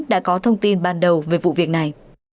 đã có thông tin ban đầu về vụ việc này